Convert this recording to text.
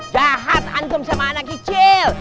jahat antum sama anak kecil